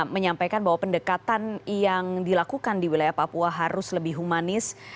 menyampaikan bahwa pendekatan yang dilakukan di wilayah papua harus lebih humanis